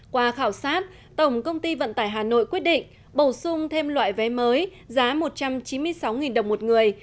qua khảo sát tổng công ty vận tải hà nội quyết định bổ sung thêm loại vé mới giá một trăm chín mươi sáu đồng một người